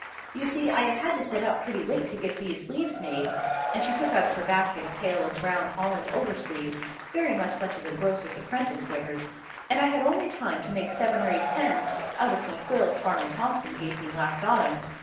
You see, I have had to sit up pretty late to get these sleeves made"—and she took out of her basket a pail of brown holland over sleeves, very much such as a grocer's apprentice wears—"and I had only time to make seven or eight pens, out of some quills Farmer Thomson gave me last autumn.